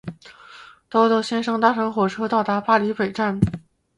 豆豆先生搭乘火车到达巴黎北站。